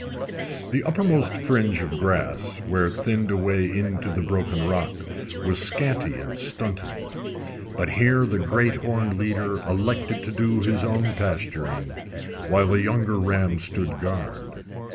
"] The uppermost fringe of grass, where it thinned away into the broken rock, was scanty and stunted; but here the great horned leader elected to do his own pasturing, while the younger ram stood guard.